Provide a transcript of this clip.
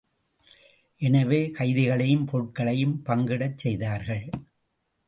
எனவே கைதிகளையும் பொருட்களையும் பங்கிடச் செய்தார்கள்.